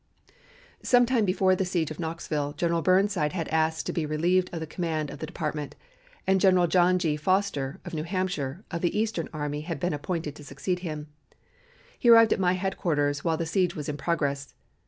Sometime before the siege of Knoxville General Burnside had asked to be relieved of the command of the department, and General John G. Foster (of New Hampshire) of the Eastern army had been appointed to succeed him. He arrived at my headquarters while the siege was in progress.